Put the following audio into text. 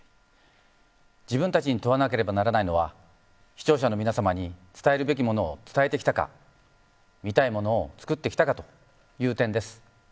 自分たちに問わなければならないのは視聴者の皆様に伝えるべきものを伝えてきたか見たいものを作ってきたかという点です。